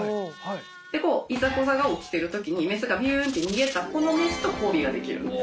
でいざこざが起きてる時にメスがビュンって逃げたこのメスと交尾ができるんです。